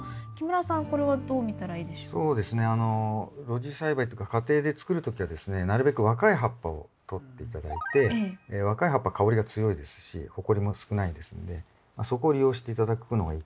露地栽培っていうか家庭で作る時はですねなるべく若い葉っぱをとって頂いて若い葉っぱ香りが強いですしほこりも少ないですのでそこを利用して頂くのがいいかなと。